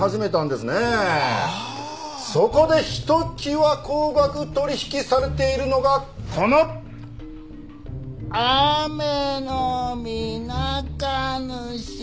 そこでひときわ高額取引されているのがこのアメノミナカヌシ！